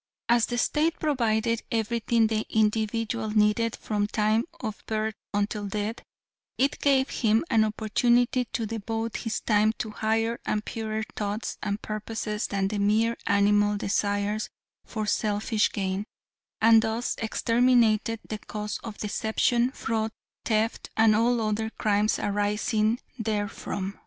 "As the State provided everything the individual needed from time of birth until death, it gave him an opportunity to devote his time to higher and purer thoughts and purposes than the mere animal desires for selfish gain, and thus exterminated the cause of deception, fraud, theft and all other crimes arising therefrom.